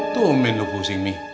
tuh umi lo pusing mi